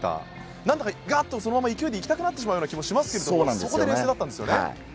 何だか、ガーッとその勢いでいきたくなってしまう気もしますがそこで冷静だったんですね。